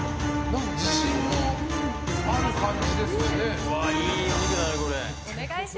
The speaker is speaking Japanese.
自信もある感じですしね。